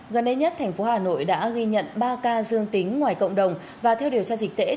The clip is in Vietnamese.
gần đây nhất tp hcm đã ghi nhận ba ca dương tính ngoài cộng đồng và theo điều tra dịch tễ